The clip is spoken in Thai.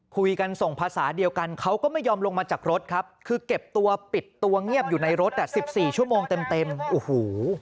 ส่งภาษาเดียวกันเขาก็ไม่ยอมลงมาจากรถครับคือเก็บตัวปิดตัวเงียบอยู่ในรถอ่ะสิบสี่ชั่วโมงเต็มเต็มโอ้โห